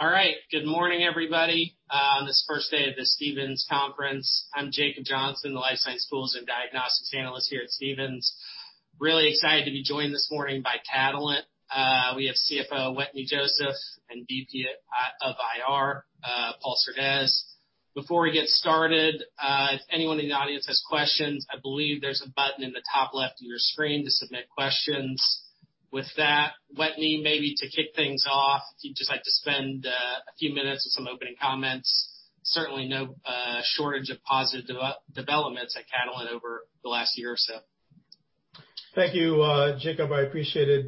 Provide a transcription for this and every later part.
All right. Good morning, everybody. This is the first day of the Stephens Conference. I'm Jacob Johnson, the Life Science Tools and Diagnostics Analyst here at Stephens. Really excited to be joined this morning by Catalent. We have CFO Wetteny Joseph and VP of IR, Paul Surdez. Before we get started, if anyone in the audience has questions, I believe there's a button in the top left of your screen to submit questions. With that, Wetteny, maybe to kick things off, if you'd just like to spend a few minutes with some opening comments, certainly no shortage of positive developments at Catalent over the last year or so. Thank you, Jacob. I appreciate it.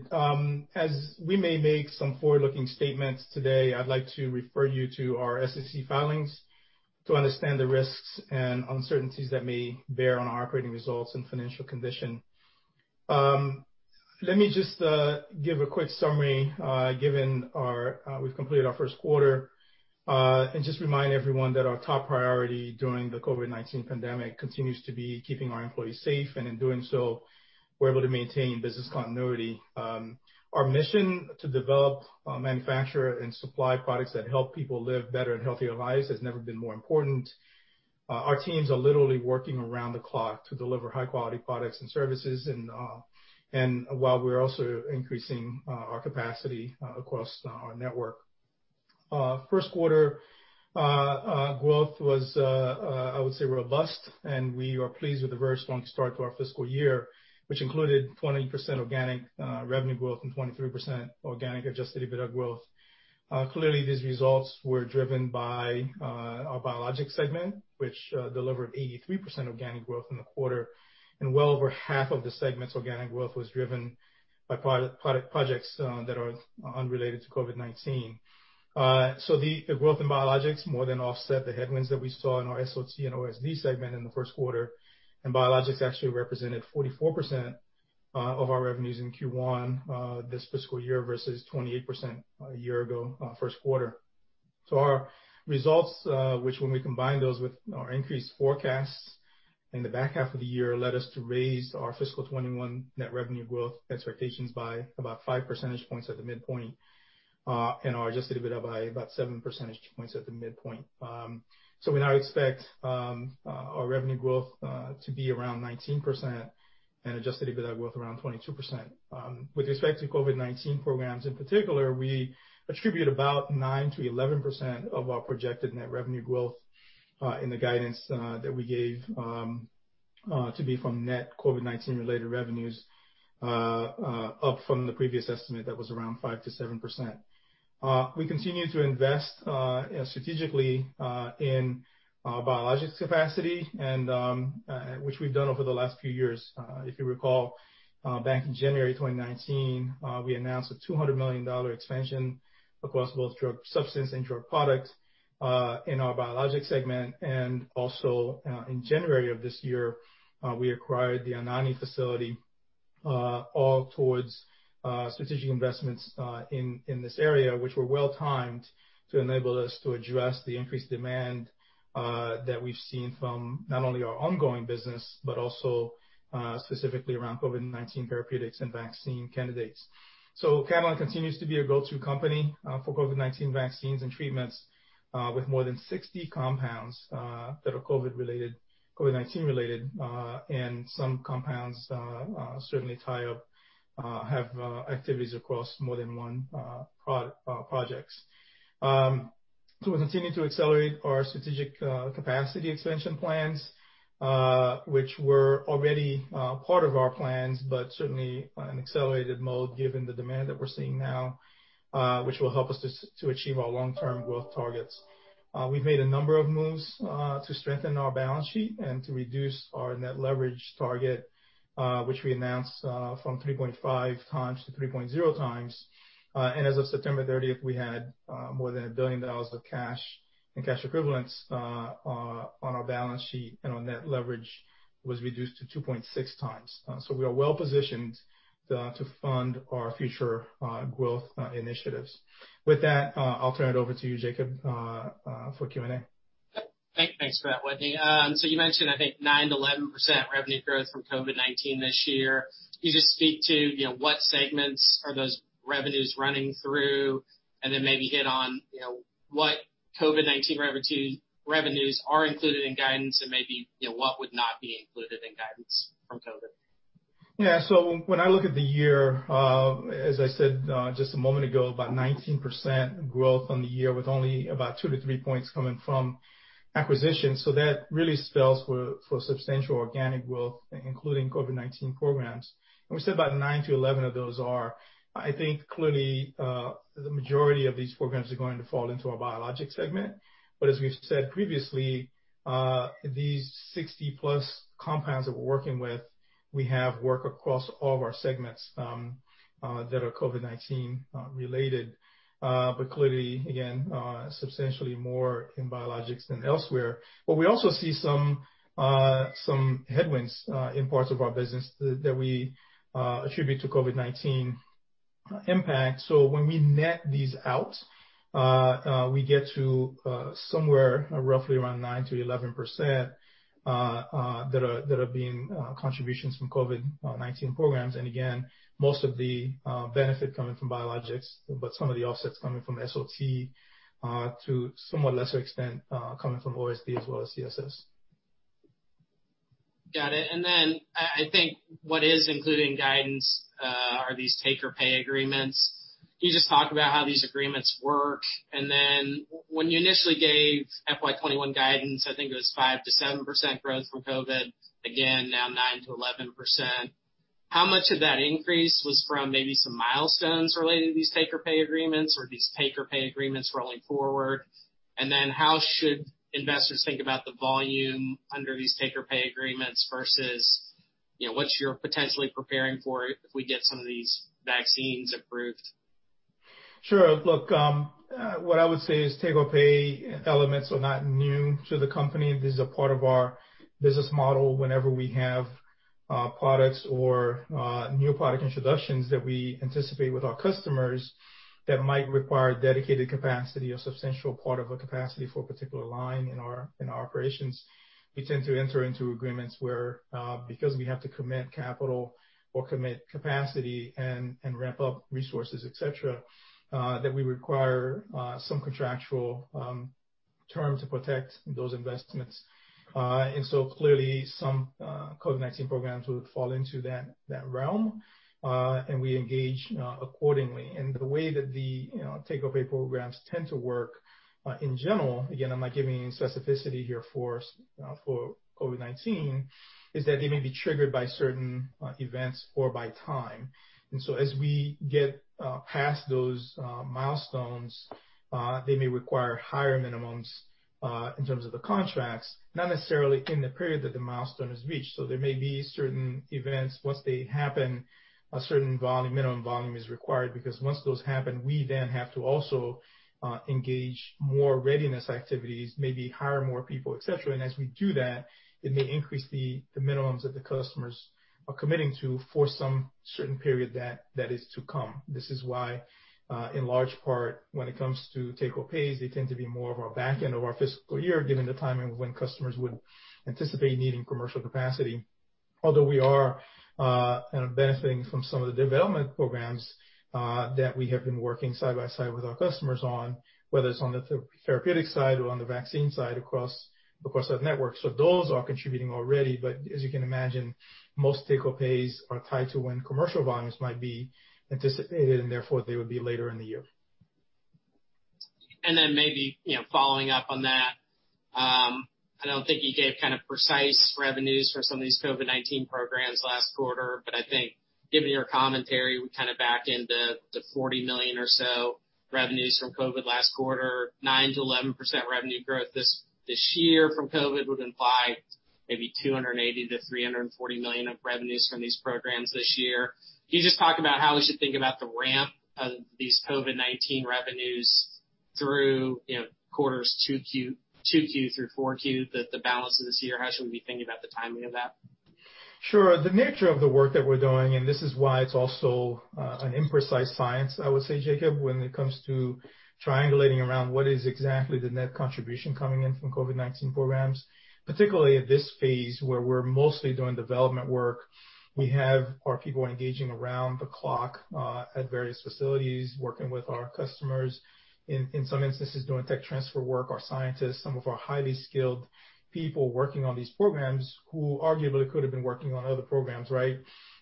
As we may make some forward-looking statements today, I'd like to refer you to our SEC filings to understand the risks and uncertainties that may bear on our operating results and financial condition. Let me just give a quick summary given we've completed our first quarter and just remind everyone that our top priority during the COVID-19 pandemic continues to be keeping our employees safe, and in doing so, we're able to maintain business continuity. Our mission to develop, manufacture, and supply products that help people live better and healthier lives has never been more important. Our teams are literally working around the clock to deliver high-quality products and services, and while we're also increasing our capacity across our network. First quarter growth was, I would say, robust, and we are pleased with a very strong start to our fiscal year, which included 20% organic revenue growth and 23% organic adjusted EBITDA growth. Clearly, these results were driven by our biologic segment, which delivered 83% organic growth in the quarter, and well over half of the segment's organic growth was driven by projects that are unrelated to COVID-19. So the growth in biologics more than offset the headwinds that we saw in our SOT and OSD segment in the first quarter, and biologics actually represented 44% of our revenues in Q1 this fiscal year versus 28% a year ago, first quarter. Our results, which when we combine those with our increased forecasts in the back half of the year, led us to raise our fiscal 2021 net revenue growth expectations by about 5 percentage points at the midpoint and our adjusted EBITDA by about 7 percentage points at the midpoint. We now expect our revenue growth to be around 19% and adjusted EBITDA growth around 22%. With respect to COVID-19 programs in particular, we attribute about 9%-11% of our projected net revenue growth in the guidance that we gave to be from net COVID-19-related revenues up from the previous estimate that was around 5%-7%. We continue to invest strategically in our biologics capacity, which we've done over the last few years. If you recall, back in January 2019, we announced a $200 million expansion across both drug substance and drug product in our biologics segment, and also in January of this year, we acquired the Anagni facility, all towards strategic investments in this area, which were well-timed to enable us to address the increased demand that we've seen from not only our ongoing business but also specifically around COVID-19 therapeutics and vaccine candidates. Catalent continues to be a go-to company for COVID-19 vaccines and treatments with more than 60 compounds that are COVID-related, COVID-19-related, and some compounds certainly tie up, have activities across more than one project. We continue to accelerate our strategic capacity expansion plans, which were already part of our plans but certainly in accelerated mode given the demand that we're seeing now, which will help us to achieve our long-term growth targets. We've made a number of moves to strengthen our balance sheet and to reduce our net leverage target, which we announced from 3.5x to 3.0x. And as of September 30th, we had more than $1 billion of cash and cash equivalents on our balance sheet, and our net leverage was reduced to 2.6x. So we are well-positioned to fund our future growth initiatives. With that, I'll turn it over to you, Jacob, for Q&A. Thanks for that, Wetteny. So you mentioned, I think, 9%-11% revenue growth from COVID-19 this year. Can you just speak to what segments are those revenues running through, and then maybe hit on what COVID-19 revenues are included in guidance and maybe what would not be included in guidance from COVID? Yeah. So when I look at the year, as I said just a moment ago, about 19% growth on the year with only about 2 points-3 points coming from acquisition. So that really spells for substantial organic growth, including COVID-19 programs. And we said about 9%-11% of those are. I think clearly the majority of these programs are going to fall into our biologics segment, but as we've said previously, these 60+ compounds that we're working with, we have work across all of our segments that are COVID-19-related, but clearly, again, substantially more in biologics than elsewhere. But we also see some headwinds in parts of our business that we attribute to COVID-19 impact. So when we net these out, we get to somewhere roughly around 9%-11% that are being contributions from COVID-19 programs. Again, most of the benefit coming from biologics, but some of the offsets coming from SOT to somewhat lesser extent coming from OSD as well as CSS. Got it. And then I think what is included in guidance are these take-or-pay agreements. Can you just talk about how these agreements work? And then when you initially gave FY 2021 guidance, I think it was 5%-7% growth from COVID. Again, now 9%-11%. How much of that increase was from maybe some milestones related to these take-or-pay agreements, or these take-or-pay agreements rolling forward? And then how should investors think about the volume under these take-or-pay agreements versus what you're potentially preparing for if we get some of these vaccines approved? Sure. Look, what I would say is take-or-pay elements are not new to the company. This is a part of our business model. Whenever we have products or new product introductions that we anticipate with our customers that might require dedicated capacity or substantial part of our capacity for a particular line in our operations, we tend to enter into agreements where, because we have to commit capital or commit capacity and ramp up resources, etc., that we require some contractual term to protect those investments. And so clearly, some COVID-19 programs would fall into that realm, and we engage accordingly. And the way that the take-or-pay programs tend to work in general (again, I'm not giving any specificity here for COVID-19) is that they may be triggered by certain events or by time. And so as we get past those milestones, they may require higher minimums in terms of the contracts, not necessarily in the period that the milestone is reached. So there may be certain events, once they happen, a certain minimum volume is required because once those happen, we then have to also engage more readiness activities, maybe hire more people, etc. And as we do that, it may increase the minimums that the customers are committing to for some certain period that is to come. This is why, in large part, when it comes to take-or-pays, they tend to be more of our back end of our fiscal year given the timing of when customers would anticipate needing commercial capacity. Although we are benefiting from some of the development programs that we have been working side by side with our customers on, whether it's on the therapeutic side or on the vaccine side across our network. So those are contributing already, but as you can imagine, most take-or-pays are tied to when commercial volumes might be anticipated, and therefore they would be later in the year. Then maybe following up on that, I don't think you gave kind of precise revenues for some of these COVID-19 programs last quarter, but I think given your commentary, we kind of backed into the $40 million or so revenues from COVID last quarter. 9%-11% revenue growth this year from COVID would imply maybe $280 million to $340 million of revenues from these programs this year. Can you just talk about how we should think about the ramp of these COVID-19 revenues through quarters 2Q through 4Q, the balance of this year? How should we be thinking about the timing of that? Sure. The nature of the work that we're doing, and this is why it's also an imprecise science, I would say, Jacob, when it comes to triangulating around what is exactly the net contribution coming in from COVID-19 programs, particularly at this phase where we're mostly doing development work, we have our people engaging around the clock at various facilities, working with our customers, in some instances doing tech transfer work, our scientists, some of our highly skilled people working on these programs who arguably could have been working on other programs, right,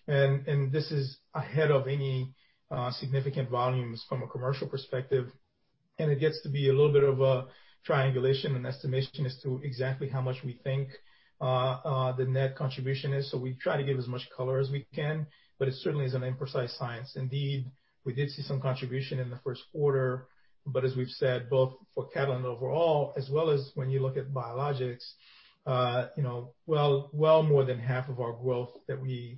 and this is ahead of any significant volumes from a commercial perspective, and it gets to be a little bit of a triangulation and estimation as to exactly how much we think the net contribution is, so we try to give as much color as we can, but it certainly is an imprecise science. Indeed, we did see some contribution in the first quarter, but as we've said, both for Catalent overall as well as when you look at biologics, well more than half of our growth that we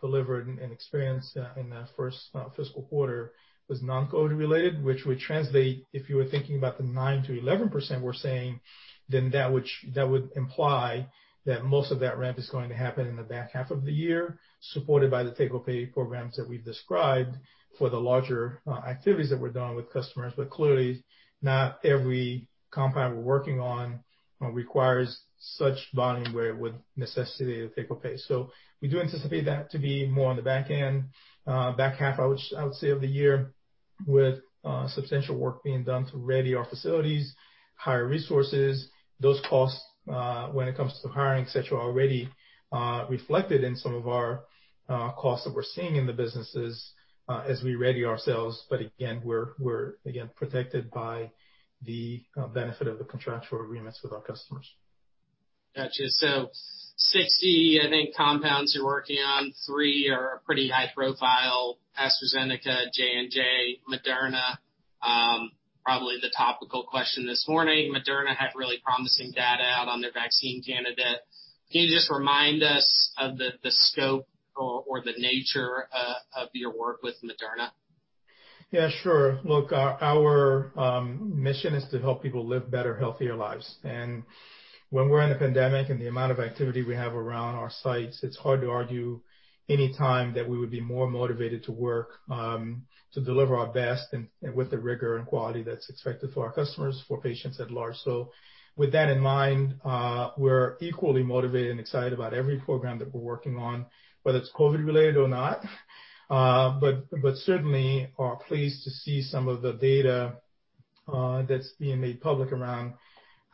delivered and experienced in the first fiscal quarter was non-COVID-related, which would translate, if you were thinking about the 9%-11% we're saying, then that would imply that most of that ramp is going to happen in the back half of the year, supported by the take-or-pay programs that we've described for the larger activities that we're doing with customers. But clearly, not every compound we're working on requires such volume where it would necessitate a take-or-pay. So we do anticipate that to be more on the back end, back half, I would say, of the year, with substantial work being done to ready our facilities, hire resources. Those costs, when it comes to hiring, etc., are already reflected in some of our costs that we're seeing in the businesses as we ready ourselves. But again, we're protected by the benefit of the contractual agreements with our customers. Gotcha. So 60, I think, compounds you're working on. Three are pretty high-profile: AstraZeneca, J&J, Moderna. Probably the topical question this morning. Moderna had really promising data out on their vaccine candidate. Can you just remind us of the scope or the nature of your work with Moderna? Yeah, sure. Look, our mission is to help people live better, healthier lives, and when we're in a pandemic and the amount of activity we have around our sites, it's hard to argue any time that we would be more motivated to work to deliver our best and with the rigor and quality that's expected for our customers, for patients at large, so with that in mind, we're equally motivated and excited about every program that we're working on, whether it's COVID-related or not, but certainly, we are pleased to see some of the data that's being made public around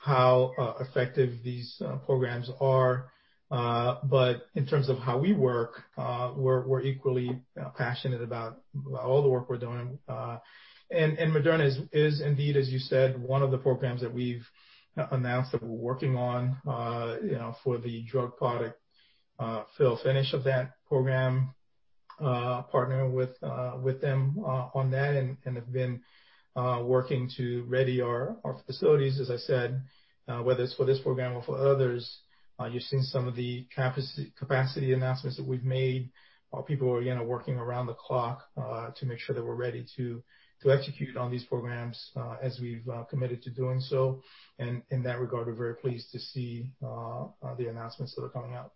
how effective these programs are, but in terms of how we work, we're equally passionate about all the work we're doing. Moderna is indeed, as you said, one of the programs that we've announced that we're working on for the drug product fill/finish of that program, partnering with them on that, and have been working to ready our facilities. As I said, whether it's for this program or for others, you've seen some of the capacity announcements that we've made. Our people are working around the clock to make sure that we're ready to execute on these programs as we've committed to doing so. In that regard, we're very pleased to see the announcements that are coming out.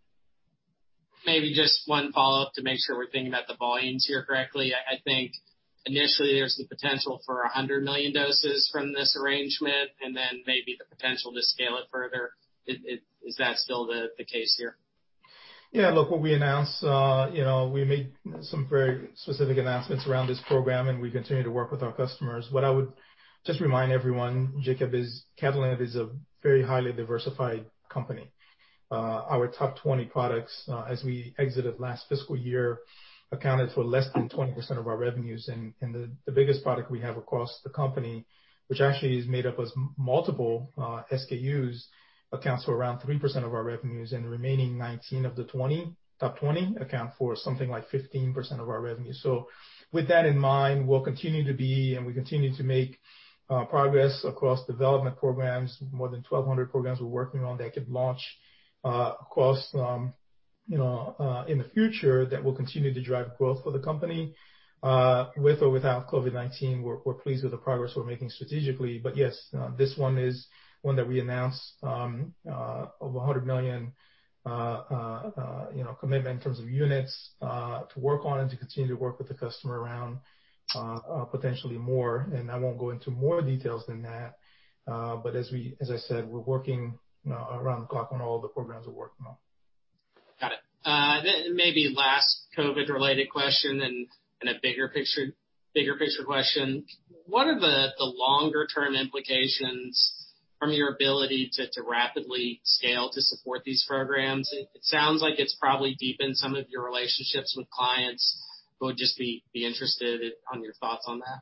Maybe just one follow-up to make sure we're thinking about the volumes here correctly. I think initially there's the potential for 100 million doses from this arrangement, and then maybe the potential to scale it further. Is that still the case here? Yeah. Look, what we announced, we made some very specific announcements around this program, and we continue to work with our customers. What I would just remind everyone, Jacob, is Catalent is a very highly diversified company. Our top 20 products, as we exited last fiscal year, accounted for less than 20% of our revenues. And the biggest product we have across the company, which actually is made up of multiple SKUs, accounts for around 3% of our revenues, and the remaining 19 of the top 20 account for something like 15% of our revenue. So with that in mind, we'll continue to be, and we continue to make progress across development programs. More than 1,200 programs we're working on that could launch across in the future that will continue to drive growth for the company. With or without COVID-19, we're pleased with the progress we're making strategically. But yes, this one is one that we announced of 100 million commitment in terms of units to work on and to continue to work with the customer around potentially more. And I won't go into more details than that. But as I said, we're working around the clock on all the programs we're working on. Got it. Maybe last COVID-related question and a bigger picture question. What are the longer-term implications from your ability to rapidly scale to support these programs? It sounds like it's probably deepened some of your relationships with clients. Would just be interested in your thoughts on that.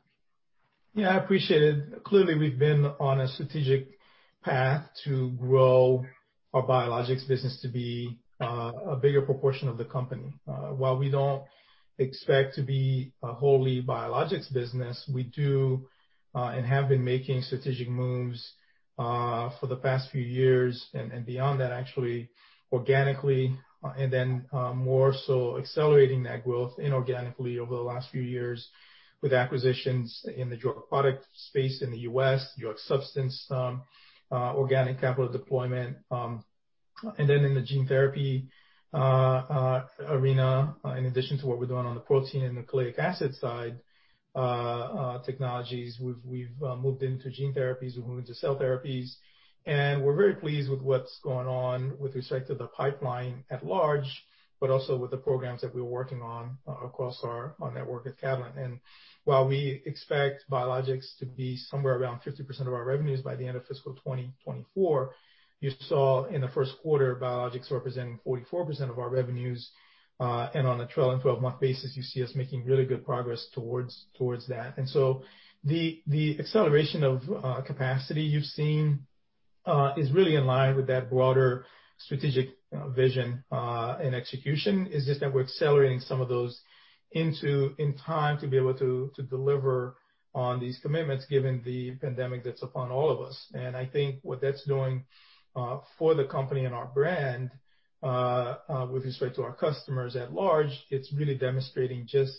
Yeah, I appreciate it. Clearly, we've been on a strategic path to grow our biologics business to be a bigger proportion of the company. While we don't expect to be a wholly biologics business, we do and have been making strategic moves for the past few years and beyond that, actually, organically, and then more so accelerating that growth inorganically over the last few years with acquisitions in the drug product space in the U.S., drug substance, organic capital deployment, and then in the gene therapy arena, in addition to what we're doing on the protein and nucleic acid side technologies, we've moved into gene therapies, we've moved into cell therapies, and we're very pleased with what's going on with respect to the pipeline at large, but also with the programs that we're working on across our network at Catalent. And while we expect biologics to be somewhere around 50% of our revenues by the end of fiscal 2024, you saw in the first quarter biologics representing 44% of our revenues. And on a 12-month basis, you see us making really good progress towards that. And so the acceleration of capacity you've seen is really in line with that broader strategic vision and execution. It's just that we're accelerating some of those in time to be able to deliver on these commitments given the pandemic that's upon all of us. And I think what that's doing for the company and our brand with respect to our customers at large, it's really demonstrating just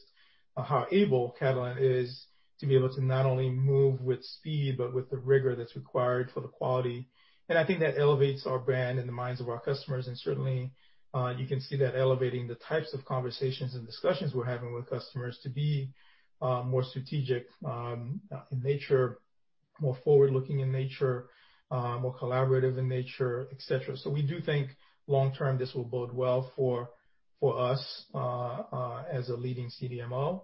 how able Catalent is to be able to not only move with speed, but with the rigor that's required for the quality. And I think that elevates our brand in the minds of our customers. And certainly, you can see that elevating the types of conversations and discussions we're having with customers to be more strategic in nature, more forward-looking in nature, more collaborative in nature, etc. So we do think long-term this will bode well for us as a leading CDMO.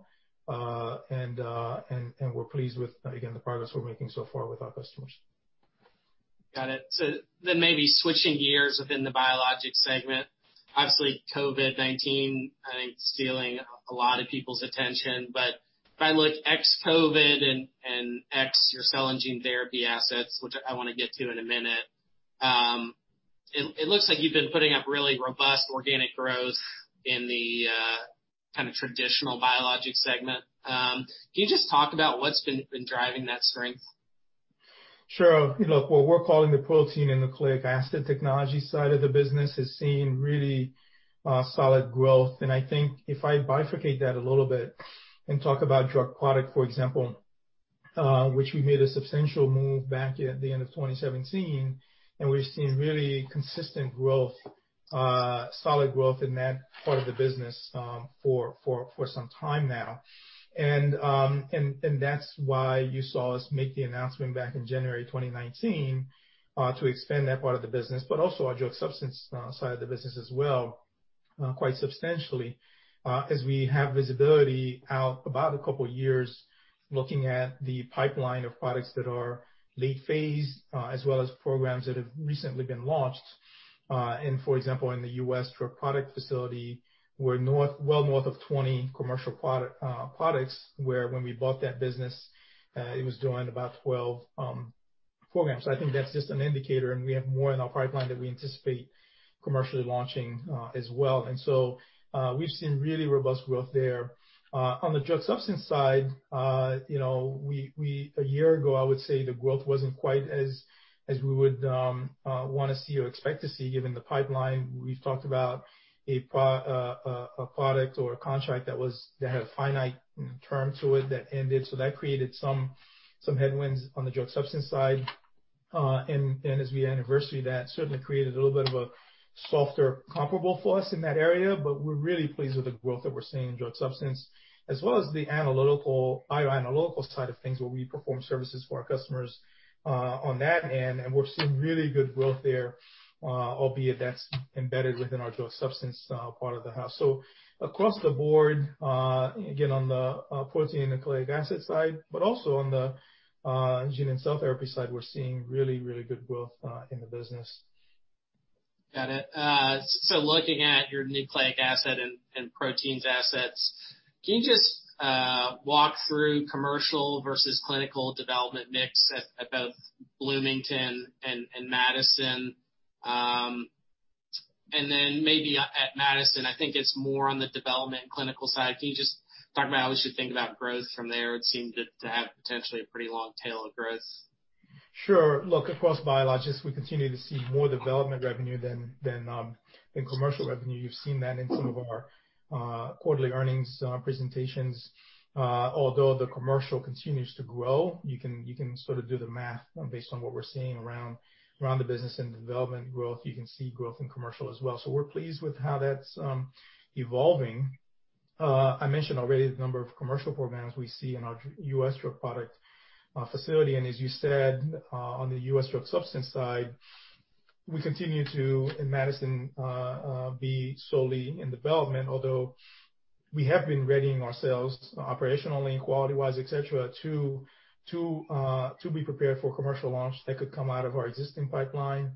And we're pleased with, again, the progress we're making so far with our customers. Got it. So then maybe switching gears within the biologics segment. Obviously, COVID-19, I think, is stealing a lot of people's attention. But if I look ex-COVID and ex your cell and gene therapy assets, which I want to get to in a minute, it looks like you've been putting up really robust organic growth in the kind of traditional biologics segment. Can you just talk about what's been driving that strength? Sure. Look, what we're calling the protein and nucleic acid technology side of the business has seen really solid growth, and I think if I bifurcate that a little bit and talk about drug product, for example, which we made a substantial move back at the end of 2017, and we've seen really consistent growth, solid growth in that part of the business for some time now, and that's why you saw us make the announcement back in January 2019 to expand that part of the business, but also our drug substance side of the business as well, quite substantially, as we have visibility out about a couple of years looking at the pipeline of products that are late phase as well as programs that have recently been launched. For example, in the U.S. drug product facility, we're well north of 20 commercial products, where when we bought that business, it was doing about 12 programs. I think that's just an indicator, and we have more in our pipeline that we anticipate commercially launching as well, so we've seen really robust growth there. On the drug substance side, a year ago, I would say the growth wasn't quite as we would want to see or expect to see given the pipeline. We've talked about a product or a contract that had a finite term to it that ended, so that created some headwinds on the drug substance side. As we had anniversary, that certainly created a little bit of a softer comparable for us in that area. But we're really pleased with the growth that we're seeing in drug substance as well as the bioanalytical side of things where we perform services for our customers on that end. And we're seeing really good growth there, albeit that's embedded within our drug substance part of the house. So across the board, again, on the protein and nucleic acid side, but also on the gene and cell therapy side, we're seeing really, really good growth in the business. Got it. So looking at your nucleic acid and proteins assets, can you just walk through commercial versus clinical development mix at both Bloomington and Madison? And then maybe at Madison, I think it's more on the development clinical side. Can you just talk about how we should think about growth from there? It seemed to have potentially a pretty long tail of growth. Sure. Look, across biologics, we continue to see more development revenue than commercial revenue. You've seen that in some of our quarterly earnings presentations. Although the commercial continues to grow, you can sort of do the math based on what we're seeing around the business and development growth. You can see growth in commercial as well. So we're pleased with how that's evolving. I mentioned already the number of commercial programs we see in our U.S. drug product facility. And as you said, on the U.S. drug substance side, we continue to, in Madison, be solely in development, although we have been readying ourselves operationally, quality-wise, etc., to be prepared for commercial launch that could come out of our existing pipeline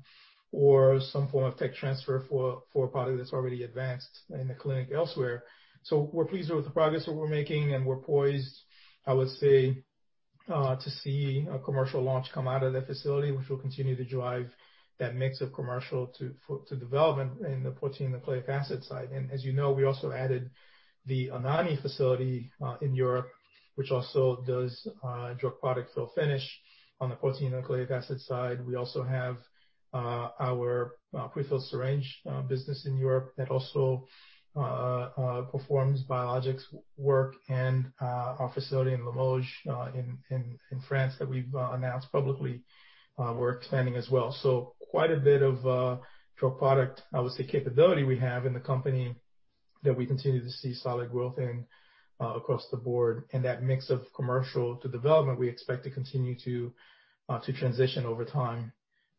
or some form of tech transfer for a product that's already advanced in the clinic elsewhere. We're pleased with the progress that we're making, and we're poised, I would say, to see a commercial launch come out of that facility, which will continue to drive that mix of commercial to development in the protein and nucleic acid side. And as you know, we also added the Anagni facility in Europe, which also does drug product fill/finish on the protein and nucleic acid side. We also have our prefilled syringe business in Europe that also performs biologics work and our facility in Limoges in France that we've announced publicly. We're expanding as well. Quite a bit of drug product, I would say, capability we have in the company that we continue to see solid growth in across the board. And that mix of commercial to development, we expect to continue to transition over time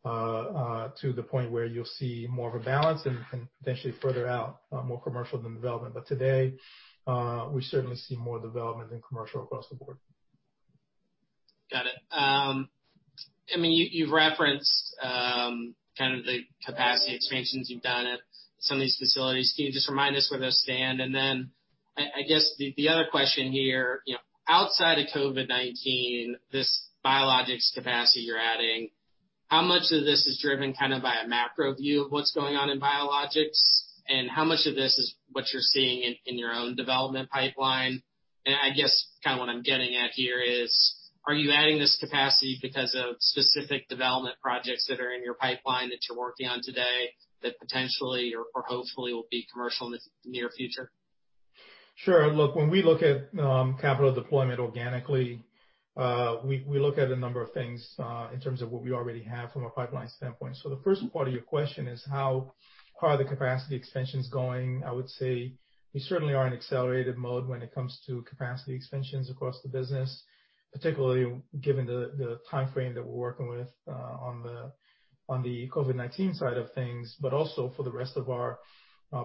to the point where you'll see more of a balance and potentially further out more commercial than development. But today, we certainly see more development than commercial across the board. Got it. I mean, you've referenced kind of the capacity expansions you've done at some of these facilities. Can you just remind us where those stand? And then I guess the other question here, outside of COVID-19, this biologics capacity you're adding, how much of this is driven kind of by a macro view of what's going on in biologics, and how much of this is what you're seeing in your own development pipeline? And I guess kind of what I'm getting at here is, are you adding this capacity because of specific development projects that are in your pipeline that you're working on today that potentially or hopefully will be commercial in the near future? Sure. Look, when we look at capital deployment organically, we look at a number of things in terms of what we already have from a pipeline standpoint. So the first part of your question is, how are the capacity expansions going? I would say we certainly are in accelerated mode when it comes to capacity expansions across the business, particularly given the timeframe that we're working with on the COVID-19 side of things, but also for the rest of our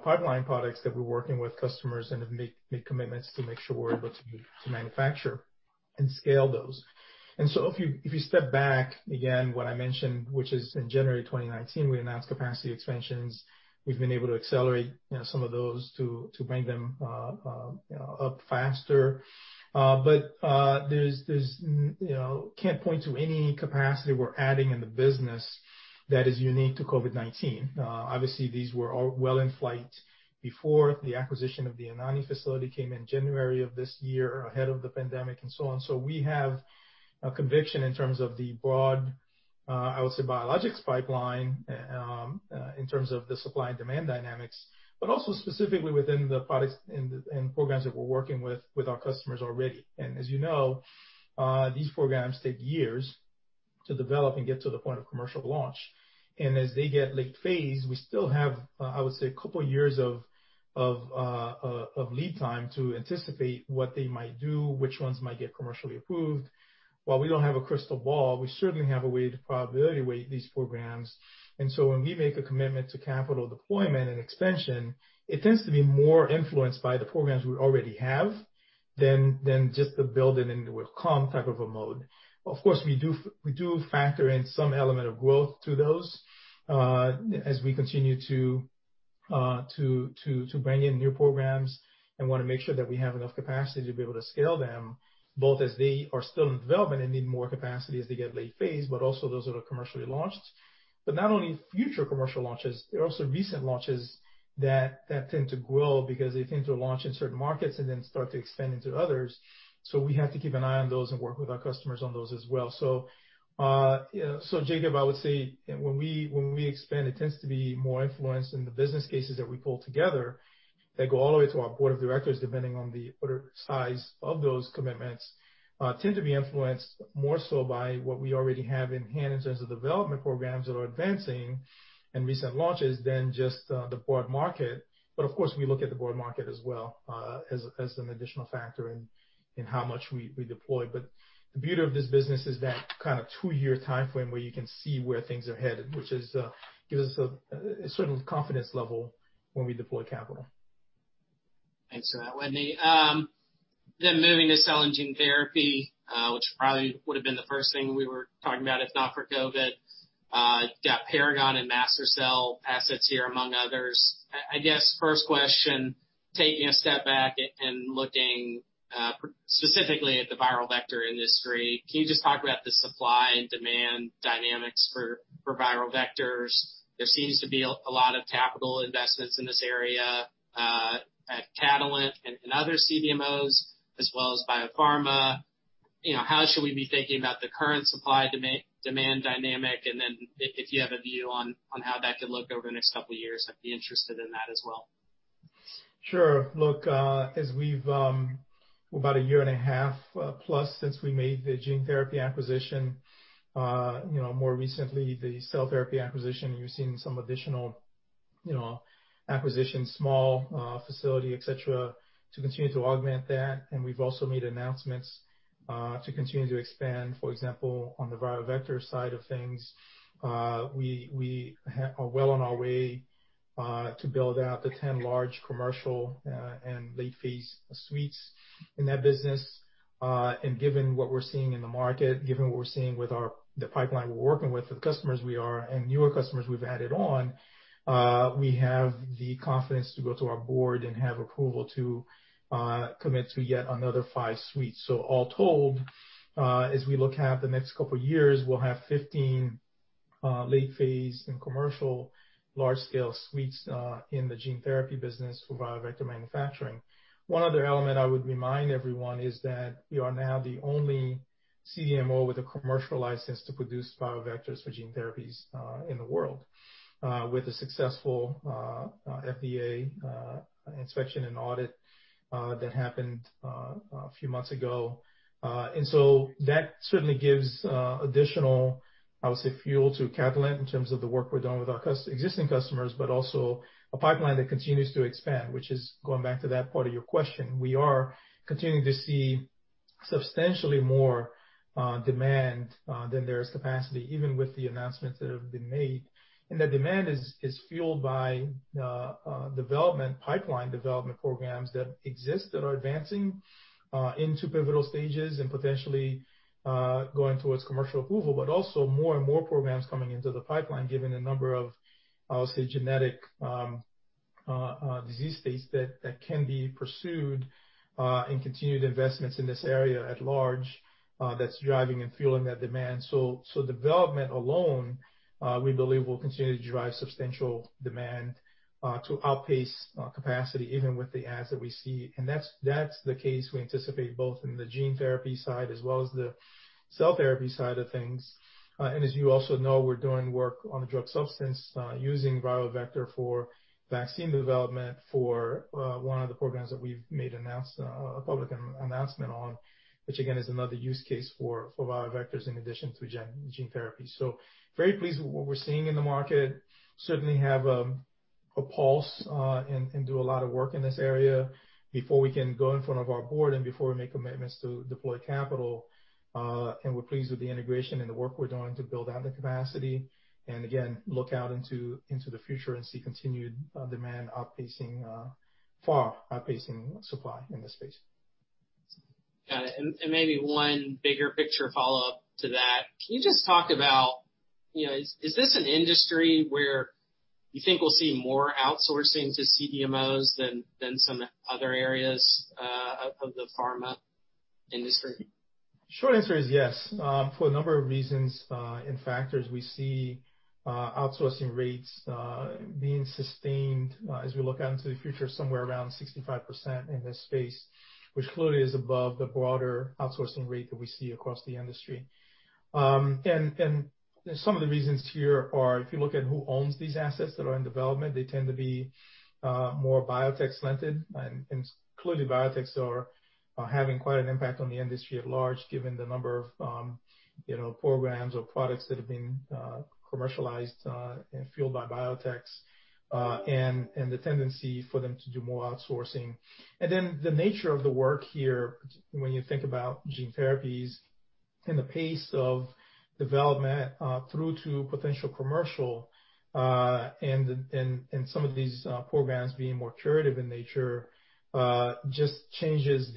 pipeline products that we're working with customers and have made commitments to make sure we're able to manufacture and scale those. And so if you step back, again, what I mentioned, which is in January 2019, we announced capacity expansions. We've been able to accelerate some of those to bring them up faster. But I can't point to any capacity we're adding in the business that is unique to COVID-19. Obviously, these were all well in flight before the acquisition of the Anagni facility came in January of this year ahead of the pandemic and so on, so we have a conviction in terms of the broad, I would say, biologics pipeline in terms of the supply and demand dynamics, but also specifically within the products and programs that we're working with our customers already, and as you know, these programs take years to develop and get to the point of commercial launch, and as they get late phase, we still have, I would say, a couple of years of lead time to anticipate what they might do, which ones might get commercially approved. While we don't have a crystal ball, we certainly have a way to probability weight these programs. And so when we make a commitment to capital deployment and expansion, it tends to be more influenced by the programs we already have than just the build-it-and-it-will-come type of a mode. Of course, we do factor in some element of growth to those as we continue to bring in new programs and want to make sure that we have enough capacity to be able to scale them, both as they are still in development and need more capacity as they get late phase, but also those that are commercially launched. But not only future commercial launches, there are also recent launches that tend to grow because they tend to launch in certain markets and then start to expand into others. So we have to keep an eye on those and work with our customers on those as well. So, Jacob, I would say when we expand, it tends to be more influenced in the business cases that we pull together that go all the way to our board of directors. Depending on the order size of those commitments, tend to be influenced more so by what we already have in hand in terms of development programs that are advancing and recent launches than just the broad market. But of course, we look at the broad market as well as an additional factor in how much we deploy. But the beauty of this business is that kind of two-year timeframe where you can see where things are headed, which gives us a certain confidence level when we deploy capital. Thanks for that, Whitney. Then moving to cell and gene therapy, which probably would have been the first thing we were talking about if not for COVID, got Paragon and Mastercell assets here, among others. I guess first question, taking a step back and looking specifically at the viral vector industry, can you just talk about the supply and demand dynamics for viral vectors? There seems to be a lot of capital investments in this area at Catalent and other CDMOs as well as biopharma. How should we be thinking about the current supply demand dynamic? And then if you have a view on how that could look over the next couple of years, I'd be interested in that as well. Sure. Look, we're about a year and a half plus since we made the gene therapy acquisition. More recently, the cell therapy acquisition, you've seen some additional acquisitions, small facility, etc., to continue to augment that. And we've also made announcements to continue to expand, for example, on the viral vector side of things. We are well on our way to build out the 10 large commercial and late phase suites in that business. And given what we're seeing in the market, given what we're seeing with the pipeline we're working with, the customers we are, and newer customers we've added on, we have the confidence to go to our board and have approval to commit to yet another five suites. So all told, as we look at the next couple of years, we'll have 15 late phase and commercial large-scale suites in the gene therapy business for viral vector manufacturing. One other element I would remind everyone is that we are now the only CDMO with a commercial license to produce viral vectors for gene therapies in the world, with a successful FDA inspection and audit that happened a few months ago. And so that certainly gives additional, I would say, fuel to Catalent in terms of the work we're doing with our existing customers, but also a pipeline that continues to expand, which is going back to that part of your question. We are continuing to see substantially more demand than there is capacity, even with the announcements that have been made. And that demand is fueled by development pipeline development programs that exist that are advancing into pivotal stages and potentially going towards commercial approval, but also more and more programs coming into the pipeline, given the number of, I would say, genetic disease states that can be pursued and continued investments in this area at large. That's driving and fueling that demand. So development alone, we believe, will continue to drive substantial demand to outpace capacity, even with the adds that we see. And that's the case we anticipate both in the gene therapy side as well as the cell therapy side of things. And as you also know, we're doing work on the drug substance using viral vector for vaccine development for one of the programs that we've made a public announcement on, which again is another use case for viral vectors in addition to gene therapy. So very pleased with what we're seeing in the market. Certainly have a pulse and do a lot of work in this area before we can go in front of our board and before we make commitments to deploy capital. And we're pleased with the integration and the work we're doing to build out the capacity. And again, look out into the future and see continued demand far outpacing supply in this space. Got it. And maybe one bigger picture follow-up to that. Can you just talk about, is this an industry where you think we'll see more outsourcing to CDMOs than some other areas of the pharma industry? Short answer is yes. For a number of reasons and factors, we see outsourcing rates being sustained as we look out into the future, somewhere around 65% in this space, which clearly is above the broader outsourcing rate that we see across the industry, and some of the reasons here are, if you look at who owns these assets that are in development, they tend to be more biotech-slanted, and clearly, biotechs are having quite an impact on the industry at large, given the number of programs or products that have been commercialized and fueled by biotechs and the tendency for them to do more outsourcing. And then the nature of the work here, when you think about gene therapies, and the pace of development through to potential commercial, and some of these programs being more curative in nature, just changes,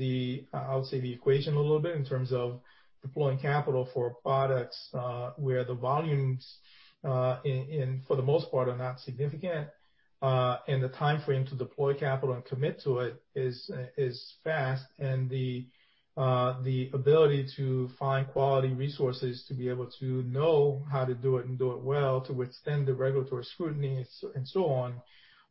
I would say, the equation a little bit in terms of deploying capital for products where the volumes, for the most part, are not significant. And the timeframe to deploy capital and commit to it is fast. The ability to find quality resources to be able to know how to do it and do it well, to withstand the regulatory scrutiny and so on,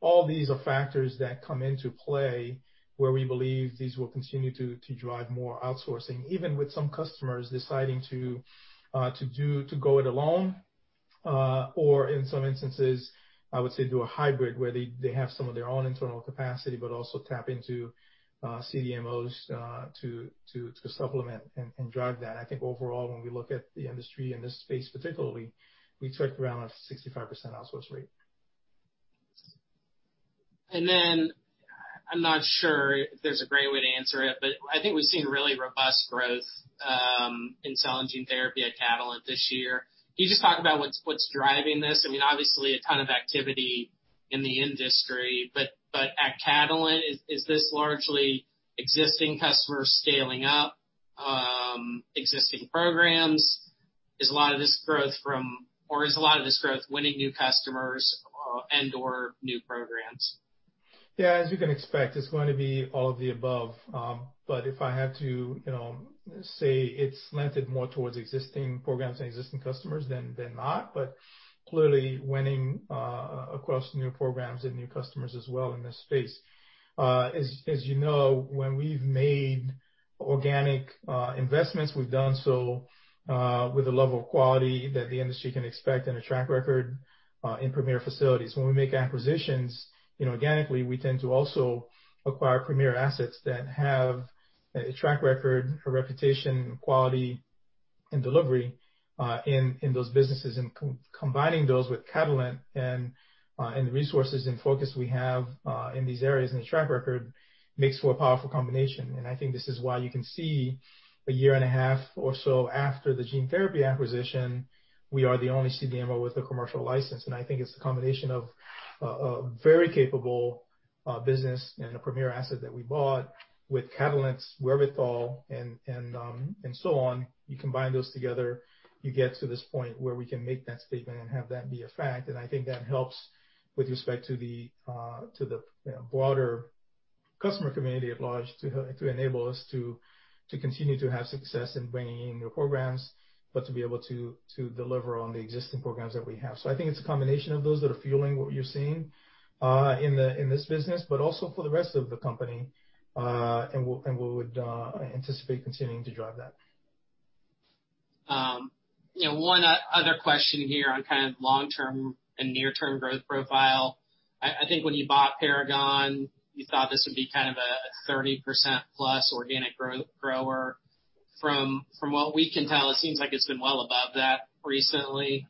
all these are factors that come into play where we believe these will continue to drive more outsourcing, even with some customers deciding to go it alone or, in some instances, I would say, do a hybrid where they have some of their own internal capacity, but also tap into CDMOs to supplement and drive that. I think overall, when we look at the industry in this space particularly, we checked around a 65% outsource rate. And then I'm not sure if there's a great way to answer it, but I think we've seen really robust growth in cell and gene therapy at Catalent this year. Can you just talk about what's driving this? I mean, obviously, a ton of activity in the industry, but at Catalent, is this largely existing customers scaling up existing programs? Is a lot of this growth from, or is a lot of this growth winning new customers and/or new programs? Yeah, as you can expect, it's going to be all of the above. But if I have to say it's slanted more towards existing programs and existing customers than not, but clearly winning across new programs and new customers as well in this space. As you know, when we've made organic investments, we've done so with a level of quality that the industry can expect and a track record in premier facilities. When we make acquisitions, organically, we tend to also acquire premier assets that have a track record, a reputation, quality, and delivery in those businesses. And combining those with Catalent and the resources and focus we have in these areas and the track record makes for a powerful combination. And I think this is why you can see a year and a half or so after the gene therapy acquisition, we are the only CDMO with a commercial license. And I think it's a combination of a very capable business and a premier asset that we bought with Catalent, Wetteny & Co., and so on. You combine those together, you get to this point where we can make that statement and have that be a fact. And I think that helps with respect to the broader customer community at large to enable us to continue to have success in bringing in new programs, but to be able to deliver on the existing programs that we have. So I think it's a combination of those that are fueling what you're seeing in this business, but also for the rest of the company. And we would anticipate continuing to drive that. One other question here on kind of long-term and near-term growth profile. I think when you bought Paragon, you thought this would be kind of a 30%+ organic grower. From what we can tell, it seems like it's been well above that recently.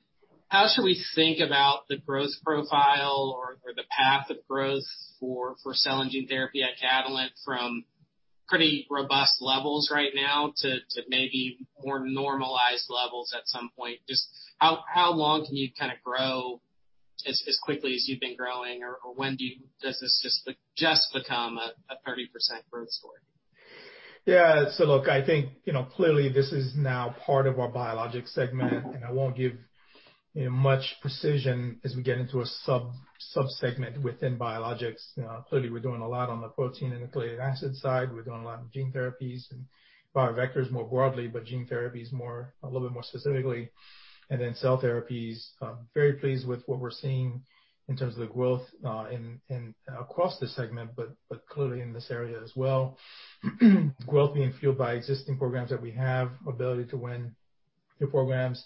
How should we think about the growth profile or the path of growth for cell and gene therapy at Catalent from pretty robust levels right now to maybe more normalized levels at some point? Just how long can you kind of grow as quickly as you've been growing, or when does this just become a 30% growth story? Yeah. So look, I think clearly this is now part of our biologics segment, and I won't give much precision as we get into a subsegment within biologics. Clearly, we're doing a lot on the protein and the nucleic acid side. We're doing a lot of gene therapies and viral vectors more broadly, but gene therapies a little bit more specifically. And then cell therapies, very pleased with what we're seeing in terms of the growth across the segment, but clearly in this area as well. Growth being fueled by existing programs that we have, ability to win new programs.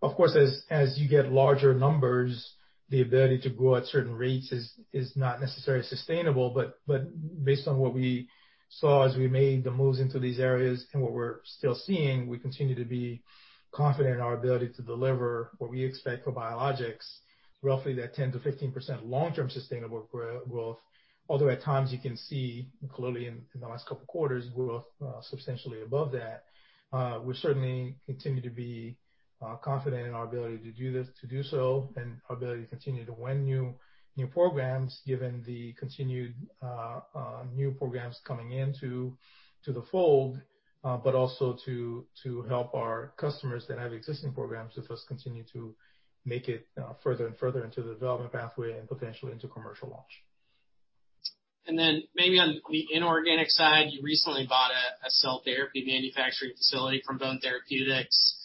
Of course, as you get larger numbers, the ability to grow at certain rates is not necessarily sustainable. But based on what we saw as we made the moves into these areas and what we're still seeing, we continue to be confident in our ability to deliver what we expect for biologics, roughly that 10%-15% long-term sustainable growth. Although at times you can see clearly in the last couple of quarters growth substantially above that, we certainly continue to be confident in our ability to do so and our ability to continue to win new programs, given the continued new programs coming into the fold, but also to help our customers that have existing programs with us continue to make it further and further into the development pathway and potentially into commercial launch. And then maybe on the inorganic side, you recently bought a cell therapy manufacturing facility from Bone Therapeutics.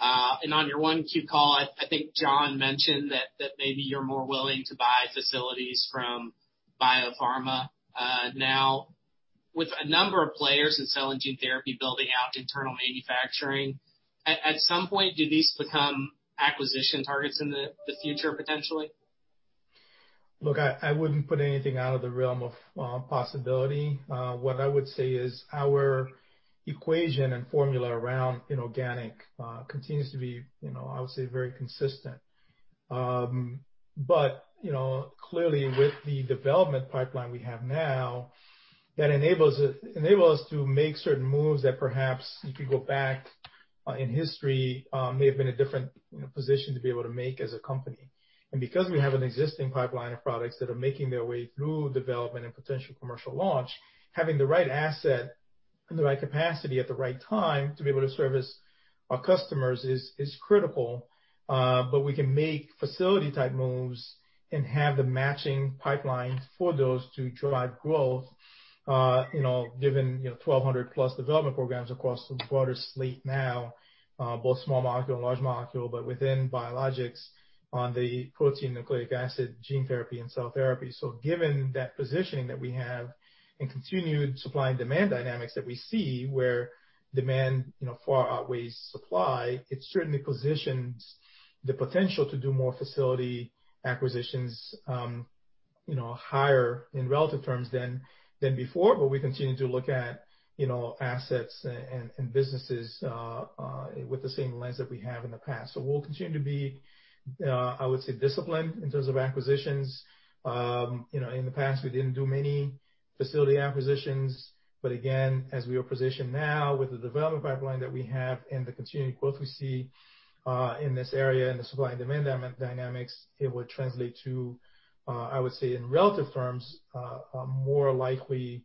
And on your Q1 call, I think John mentioned that maybe you're more willing to buy facilities from biopharma now with a number of players in cell and gene therapy building out internal manufacturing. At some point, do these become acquisition targets in the future potentially? Look, I wouldn't put anything out of the realm of possibility. What I would say is our equation and formula around inorganic continues to be, I would say, very consistent. But clearly, with the development pipeline we have now, that enables us to make certain moves that perhaps if you go back in history, may have been a different position to be able to make as a company. And because we have an existing pipeline of products that are making their way through development and potential commercial launch, having the right asset and the right capacity at the right time to be able to service our customers is critical. But we can make facility-type moves and have the matching pipeline for those to drive growth, given 1,200+ development programs across the broader slate now, both small molecule and large molecule, but within biologics on the protein, nucleic acid, gene therapy, and cell therapy. So given that positioning that we have and continued supply and demand dynamics that we see where demand far outweighs supply, it certainly positions the potential to do more facility acquisitions higher in relative terms than before. But we continue to look at assets and businesses with the same lens that we have in the past. So we'll continue to be, I would say, disciplined in terms of acquisitions. In the past, we didn't do many facility acquisitions. But again, as we are positioned now with the development pipeline that we have and the continued growth we see in this area and the supply and demand dynamics, it would translate to, I would say, in relative terms, more likely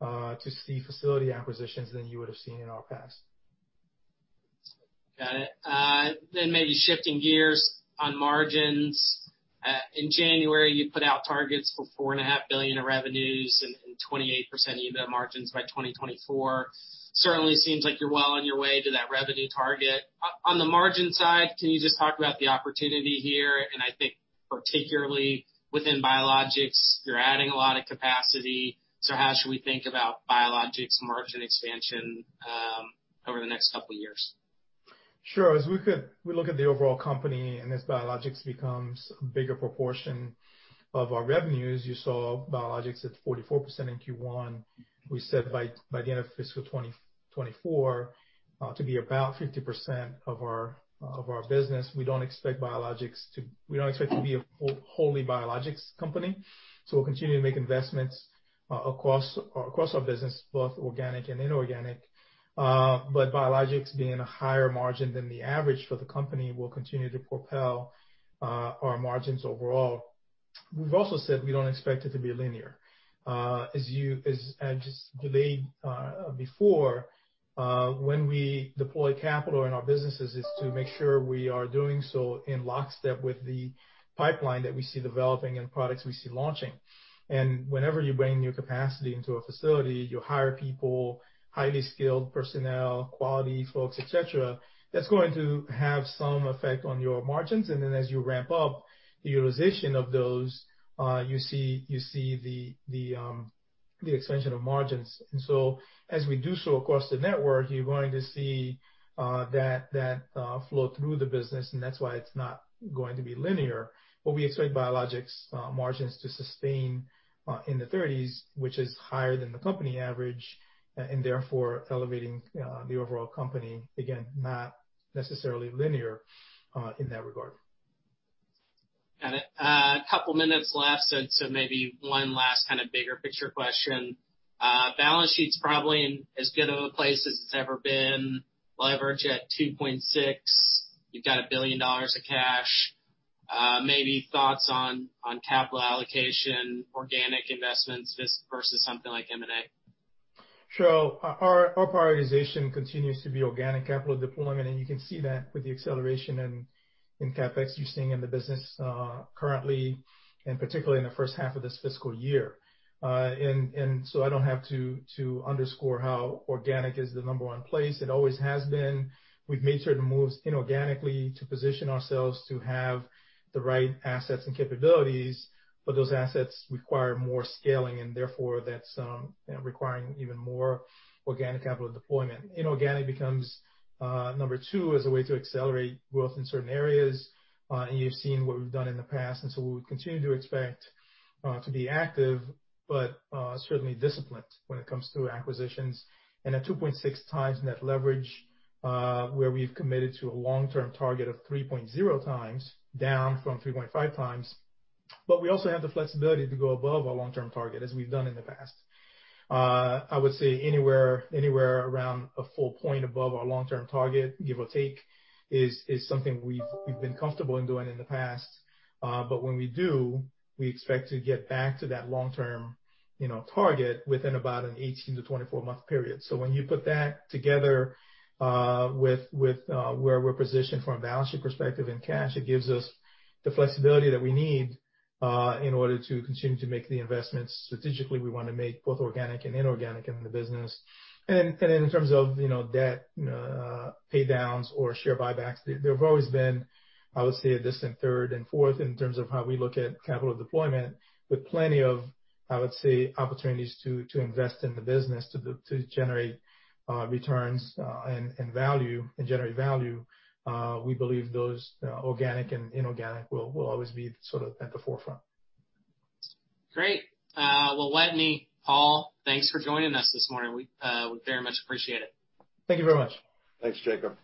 to see facility acquisitions than you would have seen in our past. Got it, then maybe shifting gears on margins. In January, you put out targets for $4.5 billion of revenues and 28% EBITDA margins by 2024. Certainly seems like you're well on your way to that revenue target. On the margin side, can you just talk about the opportunity here, and I think particularly within biologics, you're adding a lot of capacity, so how should we think about biologics margin expansion over the next couple of years? Sure. As we look at the overall company and as biologics becomes a bigger proportion of our revenues, you saw biologics at 44% in Q1. We said by the end of fiscal 2024 to be about 50% of our business. We don't expect biologics to be a wholly biologics company. So we'll continue to make investments across our business, both organic and inorganic. But biologics being a higher margin than the average for the company will continue to propel our margins overall. We've also said we don't expect it to be linear. As I just relayed before, when we deploy capital in our businesses, it's to make sure we are doing so in lockstep with the pipeline that we see developing and products we see launching. And whenever you bring new capacity into a facility, you hire people, highly skilled personnel, quality folks, etc., that's going to have some effect on your margins. And then as you ramp up the utilization of those, you see the expansion of margins. And so as we do so across the network, you're going to see that flow through the business. And that's why it's not going to be linear. But we expect biologics margins to sustain in the 30s%, which is higher than the company average, and therefore elevating the overall company, again, not necessarily linear in that regard. Got it. A couple of minutes left. So maybe one last kind of bigger picture question. Balance sheet's probably in as good of a place as it's ever been. Leverage at 2.6. You've got $1 billion of cash. Maybe thoughts on capital allocation, organic investments versus something like M&A? Sure. Our prioritization continues to be organic capital deployment. And you can see that with the acceleration in CapEx you're seeing in the business currently, and particularly in the first half of this fiscal year. And so I don't have to underscore how organic is the number one place. It always has been. We've made certain moves inorganically to position ourselves to have the right assets and capabilities, but those assets require more scaling. And therefore, that's requiring even more organic capital deployment. Inorganic becomes number two as a way to accelerate growth in certain areas. And you've seen what we've done in the past. And so we would continue to expect to be active, but certainly disciplined when it comes to acquisitions. And at 2.6x net leverage, where we've committed to a long-term target of 3.0x, down from 3.5x. But we also have the flexibility to go above our long-term target, as we've done in the past. I would say anywhere around a full point above our long-term target, give or take, is something we've been comfortable in doing in the past. But when we do, we expect to get back to that long-term target within about an 18-month to 24-month period. So when you put that together with where we're positioned from a balance sheet perspective in cash, it gives us the flexibility that we need in order to continue to make the investments strategically we want to make both organic and inorganic in the business. And then in terms of debt paydowns or share buybacks, there've always been, I would say, a distant third and fourth in terms of how we look at capital deployment, with plenty of, I would say, opportunities to invest in the business to generate returns and value and generate value. We believe those organic and inorganic will always be sort of at the forefront. Great. Well, Wetteny, Paul, thanks for joining us this morning. We very much appreciate it. Thank you very much. Thanks, Jacob.